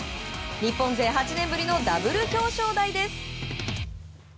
日本勢８年ぶりのダブル表彰台です。